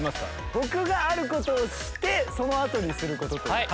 僕があることをしてその後にすることです。